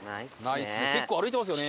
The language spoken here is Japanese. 結構歩いてますよね。